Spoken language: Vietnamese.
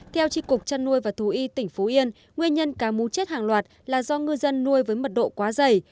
theo tri cục chăn nuôi và thú y tỉnh phú yên nguyên nhân cá mú chết hàng loạt là do ngư dân nuôi với mật độ quá dày